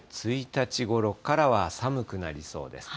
１日ごろからは寒くなりそうです。